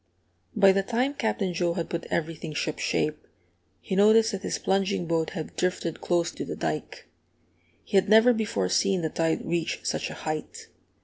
By the time Captain Joe had put everything shipshape, he noticed that his plunging boat had drifted close to the dike. He had never before seen the tide reach such a height.